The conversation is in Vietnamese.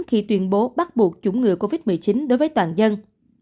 khi tuyên bố bắt buộc chủng ngừa covid một mươi chín đối với toàn dân